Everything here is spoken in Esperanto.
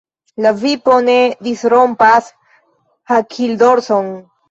La vipo ne disrompas hakildorson!